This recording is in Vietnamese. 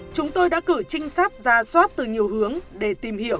chúng tôi đã cử trinh sát ra soát từ nhiều hướng để tìm hiểu